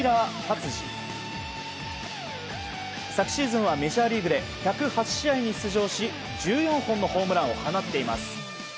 昨シーズンはメジャーリーグで１０８試合に出場し１４本のホームランを放っています。